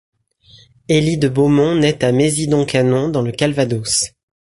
Élie de Beaumont naît à Mézidon-Canon dans le Calvados.